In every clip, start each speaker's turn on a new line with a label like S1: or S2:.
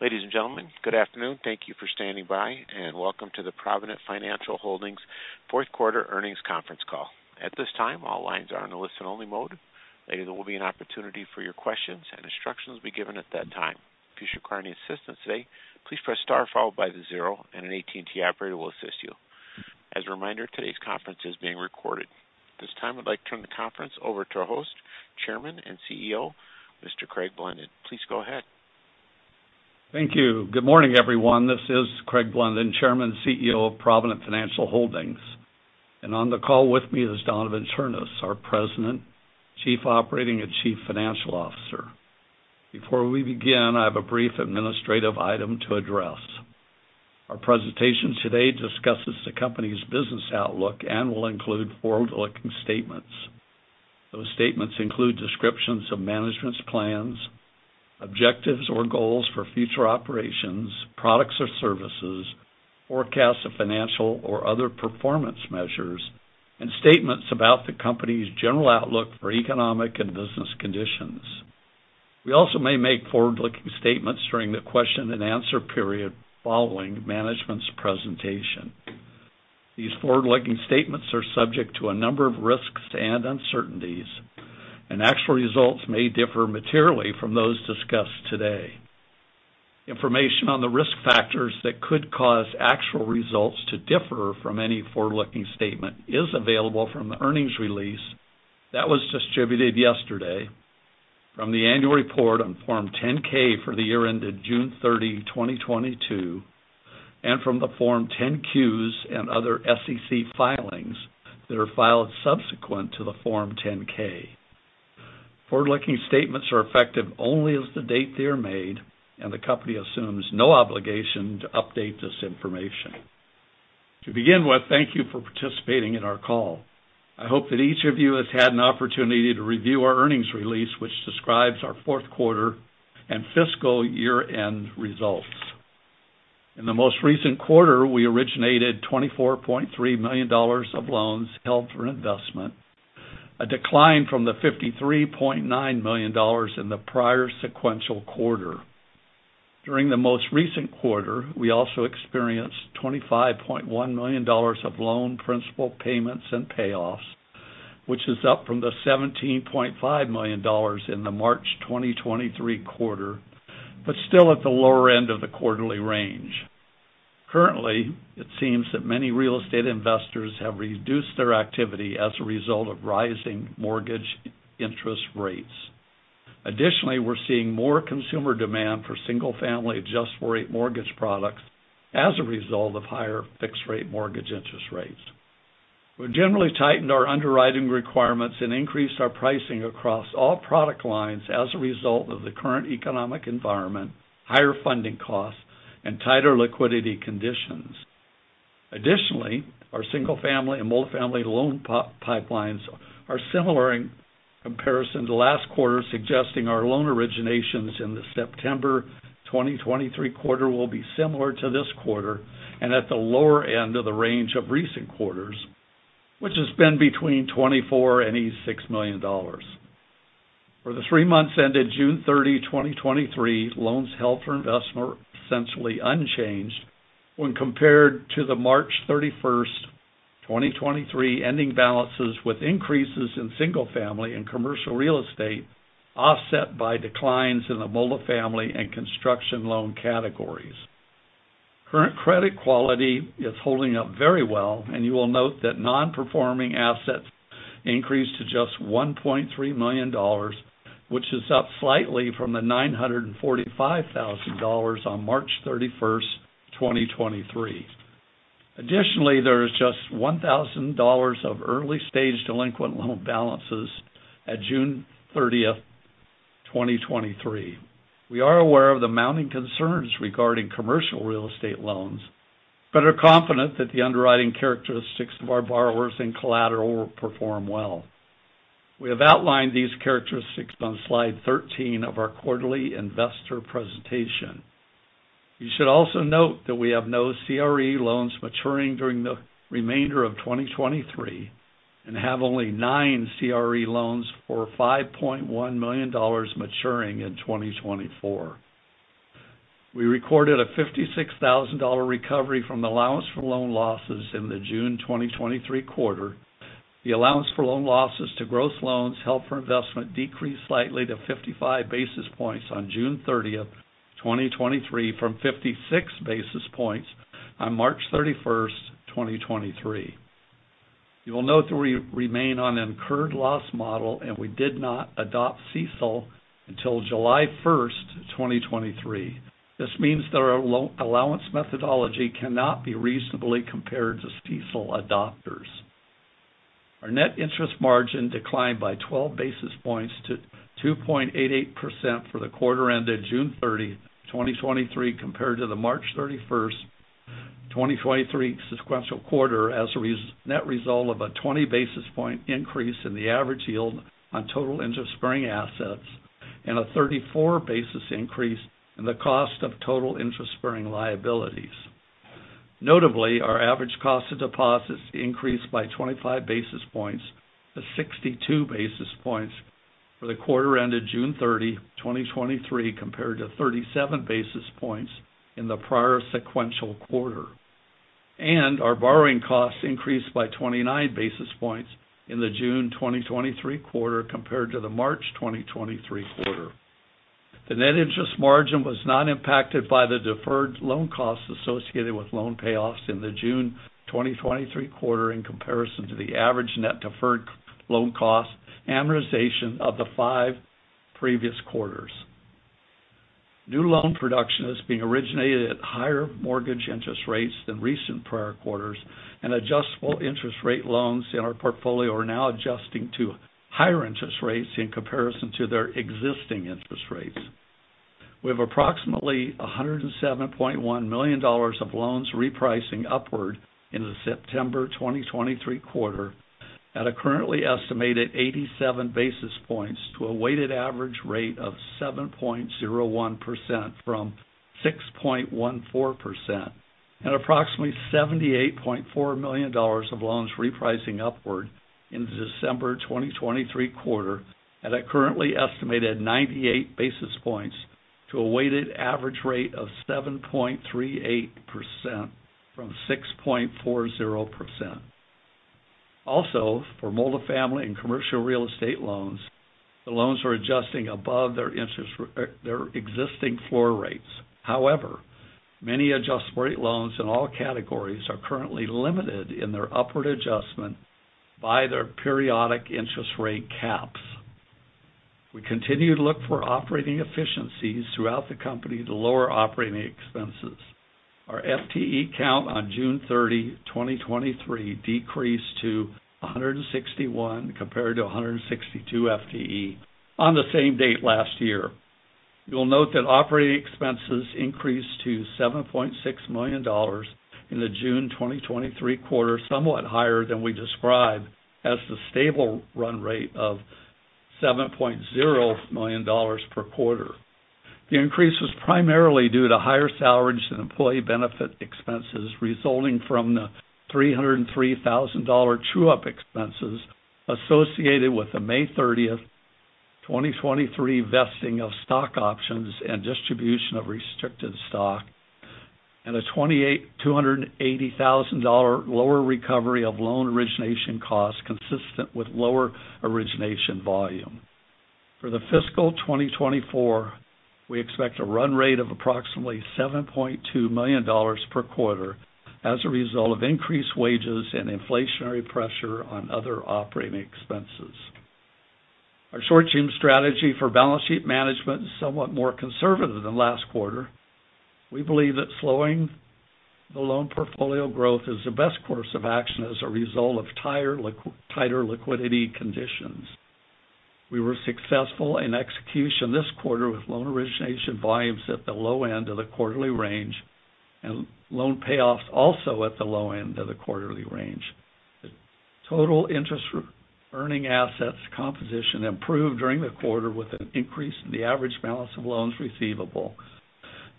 S1: Ladies and gentlemen, good afternoon. Thank you for standing by, welcome to the Provident Financial Holdings fourth quarter earnings conference call. At this time, all lines are in a listen-only mode. Later, there will be an opportunity for your questions, and instructions will be given at that time. If you should require any assistance today, please press star followed by the zero, and an AT&T operator will assist you. As a reminder, today's conference is being recorded. At this time, I'd like to turn the conference over to our host, Chairman and CEO, Mr. Craig Blunden. Please go ahead.
S2: Thank you. Good morning, everyone. This is Craig Blunden, Chairman and CEO of Provident Financial Holdings. On the call with me is Donavon Ternes, our President, Chief Operating and Chief Financial Officer. Before we begin, I have a brief administrative item to address. Our presentation today discusses the company's business outlook and will include forward-looking statements. Those statements include descriptions of management's plans, objectives, or goals for future operations, products or services, forecasts of financial or other performance measures, and statements about the company's general outlook for economic and business conditions. We also may make forward-looking statements during the question and answer period following management's presentation. These forward-looking statements are subject to a number of risks and uncertainties, and actual results may differ materially from those discussed today. Information on the risk factors that could cause actual results to differ from any forward-looking statement is available from the earnings release that was distributed yesterday, from the annual report on Form 10-K for the year ended June 30, 2022, from the Form 10-Qs and other SEC filings that are filed subsequent to the Form 10-K. Forward-looking statements are effective only as the date they are made, the company assumes no obligation to update this information. To begin with, thank you for participating in our call. I hope that each of you has had an opportunity to review our earnings release, which describes our fourth quarter and fiscal year-end results. In the most recent quarter, we originated $24.3 million of loans held for investment, a decline from the $53.9 million in the prior sequential quarter. During the most recent quarter, we also experienced $25.1 million of loan principal payments and payoffs, which is up from the $17.5 million in the March 2023 quarter, still at the lower end of the quarterly range. Currently, it seems that many real estate investors have reduced their activity as a result of rising mortgage interest rates. Additionally, we're seeing more consumer demand for single-family adjust for rate mortgage products as a result of higher fixed-rate mortgage interest rates. We generally tightened our underwriting requirements and increased our pricing across all product lines as a result of the current economic environment, higher funding costs, and tighter liquidity conditions. Our single-family and multifamily loan pipelines are similar in comparison to last quarter, suggesting our loan originations in the September 2023 quarter will be similar to this quarter and at the lower end of the range of recent quarters, which has been between $24 million and $86 million. For the three months ended June 30, 2023, loans held for investment were essentially unchanged when compared to the March 31st, 2023, ending balances, with increases in single-family and commercial real estate, offset by declines in the multifamily and construction loan categories. Current credit quality is holding up very well, and you will note that non-performing assets increased to just $1.3 million, which is up slightly from the $945,000 on March 31st, 2023. Additionally, there is just $1,000 of early-stage delinquent loan balances at June 30, 2023. We are aware of the mounting concerns regarding commercial real estate loans, but are confident that the underwriting characteristics of our borrowers and collateral will perform well. We have outlined these characteristics on slide 13 of our quarterly investor presentation. You should also note that we have no CRE loans maturing during the remainder of 2023 and have only 9 CRE loans for $5.1 million maturing in 2024. We recorded a $56,000 recovery from allowance for loan losses in the June 2023 quarter. The allowance for loan losses to gross loans held for investment decreased slightly to 55 basis points on June 30, 2023, from 56 basis points on March 31, 2023. You will note that we remain on an incurred loss model. We did not adopt CECL until July 1, 2023. This means that our loan allowance methodology cannot be reasonably compared to CECL adopters. Our net interest margin declined by 12 basis points to 2.88% for the quarter ended June 30, 2023, compared to the March 31, 2023, sequential quarter, as a net result of a 20 basis point increase in the average yield on total interest-earning assets and a 34 basis increase in the cost of total interest-earning liabilities. Notably, our average cost of deposits increased by 25 basis points to 62 basis points for the quarter ended June 30, 2023, compared to 37 basis points in the prior sequential quarter. Our borrowing costs increased by 29 basis points in the June 2023 quarter compared to the March 2023 quarter. The net interest margin was not impacted by the deferred loan costs associated with loan payoffs in the June 2023 quarter in comparison to the average net deferred loan cost amortization of the five previous quarters. New loan production is being originated at higher mortgage interest rates than recent prior quarters, and adjustable interest rate loans in our portfolio are now adjusting to higher interest rates in comparison to their existing interest rates. We have approximately $107.1 million of loans repricing upward in the September 2023 quarter at a currently estimated 87 basis points to a weighted average rate of 7.01% from 6.14%, and approximately $78.4 million of loans repricing upward in the December 2023 quarter at a currently estimated 98 basis points to a weighted average rate of 7.38% from 6.40%. For multifamily and commercial real estate loans, the loans are adjusting above their existing floor rates. Many adjust rate loans in all categories are currently limited in their upward adjustment by their periodic interest rate caps. We continue to look for operating efficiencies throughout the company to lower operating expenses. Our FTE count on June 30, 2023, decreased to 161 compared to 162 FTE on the same date last year. You'll note that operating expenses increased to $7.6 million in the June 2023 quarter, somewhat higher than we described as the stable run rate of $7.0 million per quarter. The increase was primarily due to higher salaries and employee benefit expenses, resulting from the $303,000 true-up expenses associated with the May 30, 2023, vesting of stock options and distribution of restricted stock, a $280,000 lower recovery of loan origination costs consistent with lower origination volume. For the fiscal 2024, we expect a run rate of approximately $7.2 million per quarter as a result of increased wages and inflationary pressure on other operating expenses. Our short-term strategy for balance sheet management is somewhat more conservative than last quarter. We believe that slowing the loan portfolio growth is the best course of action as a result of tighter liquidity conditions. We were successful in execution this quarter with loan origination volumes at the low end of the quarterly range and loan payoffs also at the low end of the quarterly range. The total interest-earning assets composition improved during the quarter, with an increase in the average balance of loans receivable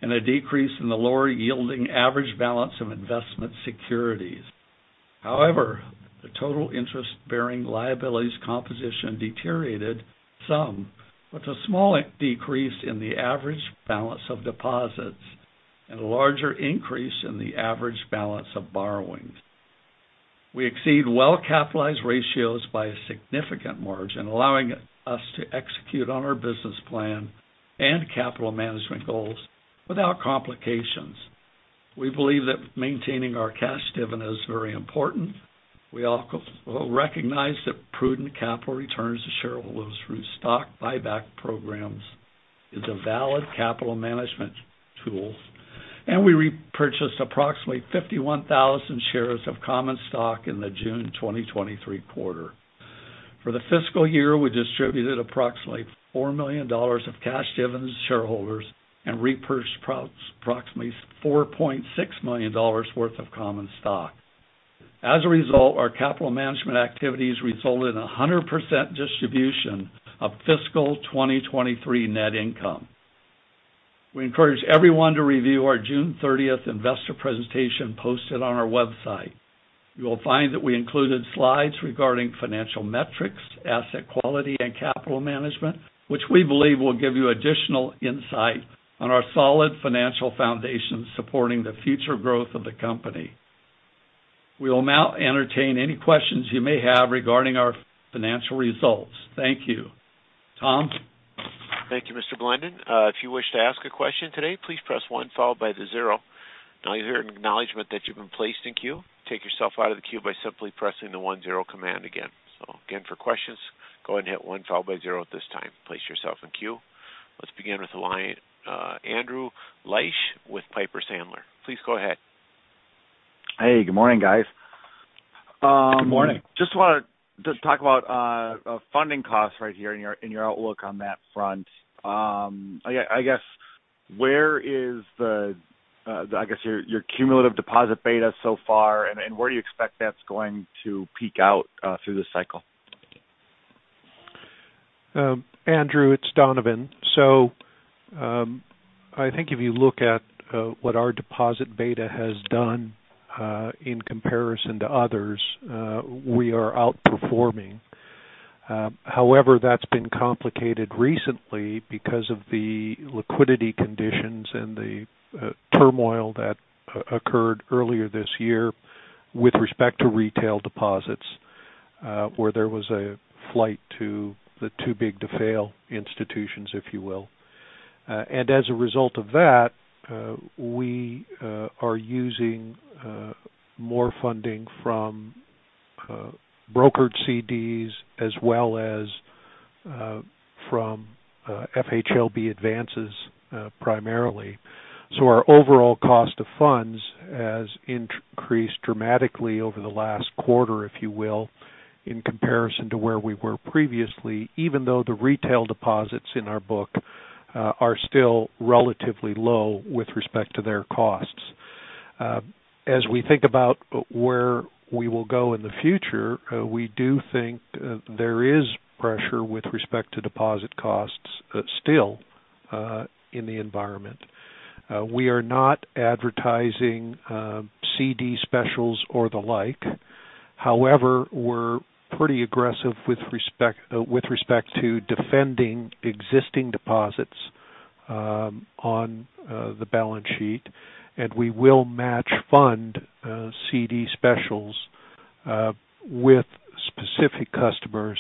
S2: and a decrease in the lower yielding average balance of investment securities. The total interest-bearing liabilities composition deteriorated some, with a small decrease in the average balance of deposits and a larger increase in the average balance of borrowings. We exceed well-capitalized ratios by a significant margin, allowing us to execute on our business plan and capital management goals without complications. We believe that maintaining our cash dividend is very important. We also recognize that prudent capital returns to shareholders through stock buyback programs is a valid capital management tool, we repurchased approximately 51,000 shares of common stock in the June 2023 quarter. For the fiscal year, we distributed approximately $4 million of cash dividends to shareholders and repurchased approximately $4.6 million worth of common stock. Our capital management activities resulted in a 100% distribution of fiscal 2023 net income. We encourage everyone to review our June thirtieth investor presentation posted on our website. You will find that we included slides regarding financial metrics, asset quality, and capital management, which we believe will give you additional insight on our solid financial foundation supporting the future growth of the company. We will now entertain any questions you may have regarding our financial results. Thank you. Tom?
S1: Thank you, Mr. Blunden. If you wish to ask a question today, please press one, followed by the zero. When you hear an acknowledgment that you've been placed in queue, take yourself out of the queue by simply pressing the 1-0 command again. Again, for questions, go ahead and hit one, followed by zeroat this time to place yourself in queue. Let's begin with Andrew Liesch with Piper Sandler. Please go ahead.
S3: Hey, good morning, guys.
S2: Good morning.
S3: Just wanna talk about funding costs right here in your outlook on that front. I guess, where is the your cumulative deposit beta so far, and where do you expect that's going to peak out through the cycle?
S4: Andrew, it's Donavon. I think if you look at what our deposit beta has done in comparison to others, we are outperforming. However, that's been complicated recently because of the liquidity conditions and the turmoil that occurred earlier this year with respect to retail deposits, where there was a flight to the too big to fail institutions, if you will. As a result of that, we are using more funding from brokered CDs as well as from FHLB advances primarily. Our overall cost of funds has increased dramatically over the last quarter, if you will, in comparison to where we were previously, even though the retail deposits in our book are still relatively low with respect to their costs. As we think about where we will go in the future, we do think there is pressure with respect to deposit costs still in the environment. We are not advertising CD specials or the like. However, we're pretty aggressive with respect to defending existing deposits on the balance sheet, and we will match fund CD specials with specific customers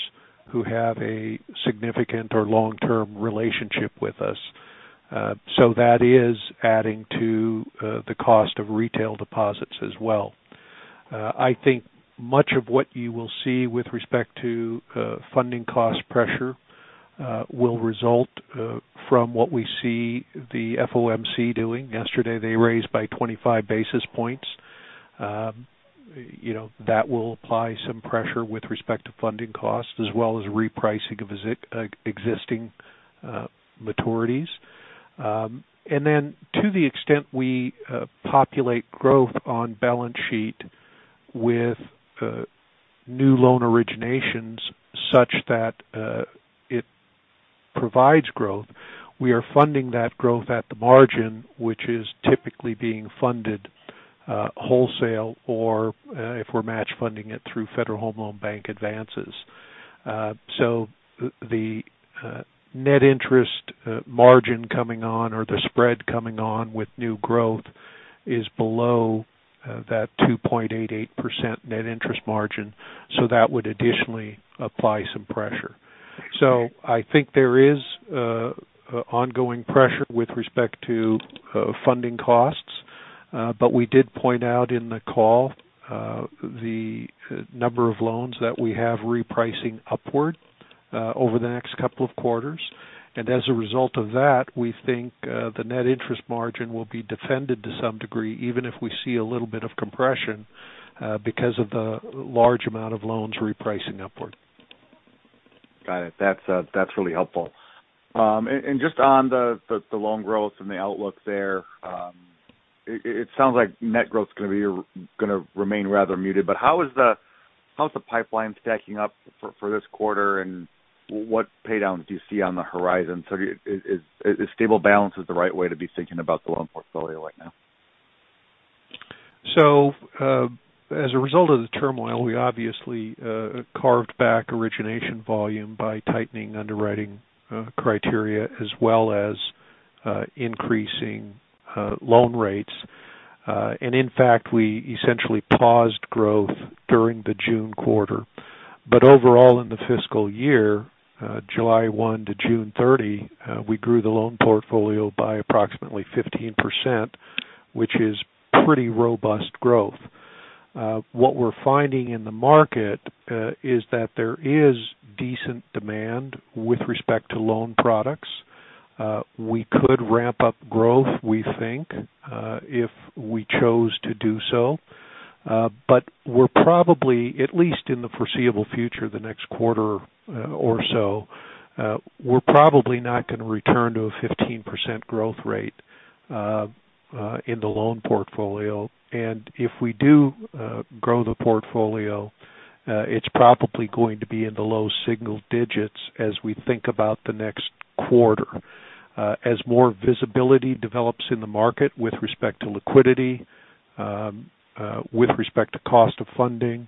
S4: who have a significant or long-term relationship with us. That is adding to the cost of retail deposits as well. I think much of what you will see with respect to funding cost pressure will result from what we see the FOMC doing. Yesterday, they raised by 25 basis points. You know, that will apply some pressure with respect to funding costs, as well as repricing of existing maturities. To the extent we populate growth on balance sheet with new loan originations such that it provides growth, we are funding that growth at the margin, which is typically being funded wholesale, or if we're match funding it through Federal Home Loan Bank advances. The net interest margin coming on or the spread coming on with new growth is below that 2.88% net interest margin, so that would additionally apply some pressure. I think there is ongoing pressure with respect to funding costs, but we did point out in the call the number of loans that we have repricing upward over the next couple of quarters. As a result of that, we think the net interest margin will be defended to some degree, even if we see a little bit of compression because of the large amount of loans repricing upward.
S3: Got it. That's really helpful. Just on the loan growth and the outlook there, it sounds like net growth is gonna remain rather muted, how's the pipeline stacking up for this quarter, and what paydowns do you see on the horizon? Is stable balance is the right way to be thinking about the loan portfolio right now?
S4: As a result of the turmoil, we obviously carved back origination volume by tightening underwriting criteria, as well as increasing loan rates. In fact, we essentially paused growth during the June quarter. Overall, in the fiscal year, July 1 to June 30, we grew the loan portfolio by approximately 15%, which is pretty robust growth. What we're finding in the market is that there is decent demand with respect to loan products. We could ramp up growth, we think, if we chose to do so. We're probably, at least in the foreseeable future, the next quarter, or so, we're probably not going to return to a 15% growth rate in the loan portfolio. If we do grow the portfolio, it's probably going to be in the low single digits as we think about the next quarter. As more visibility develops in the market with respect to liquidity, with respect to cost of funding,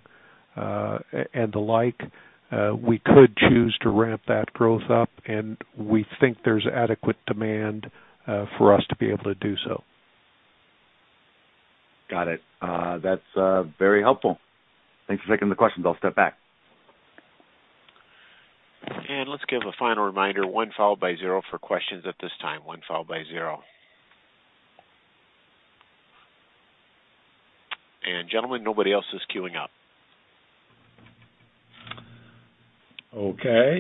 S4: and the like, we could choose to ramp that growth up, and we think there's adequate demand for us to be able to do so.
S3: Got it. That's very helpful. Thanks for taking the questions. I'll step back.
S1: Let's give a final reminder, one followed by zero for questions at this time. One followed by zero. Gentlemen, nobody else is queuing up.
S2: Okay.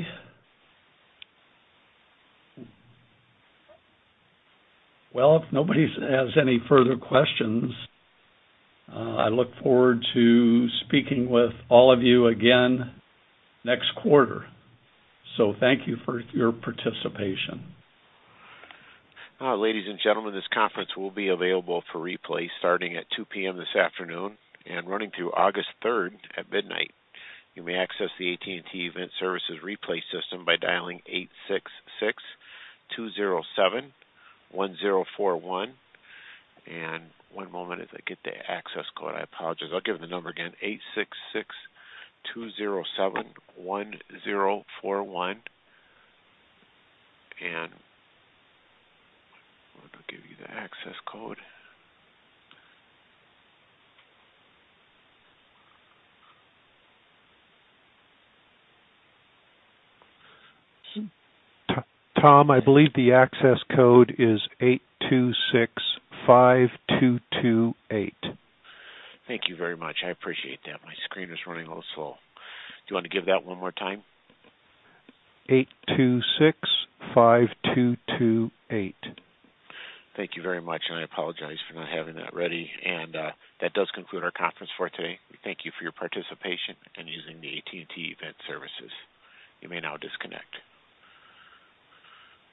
S2: Well, if nobody's has any further questions, I look forward to speaking with all of you again next quarter. Thank you for your participation.
S1: Ladies and gentlemen, this conference will be available for replay starting at 2:00 P.M. this afternoon and running through August third at midnight. You may access the AT&T event services replay system by dialing 866-207-1041. One moment as I get the access code. I apologize. I'll give the number again: 866-207-1041. Let me give you the access code.
S4: Tom, I believe the access code is 826-5228.
S1: Thank you very much. I appreciate that. My screen is running a little slow. Do you want to give that one more time?
S4: Eight two six five two two eight.
S1: Thank you very much, and I apologize for not having that ready. That does conclude our conference for today. We thank you for your participation in using the AT&T event services. You may now disconnect.